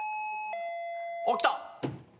・おっ来た。